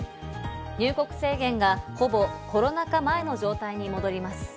入国制限がほぼコロナ禍前の状態に戻ります。